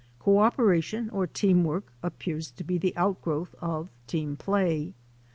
Cooperation or team work ap pears to be the outgrowth of team play.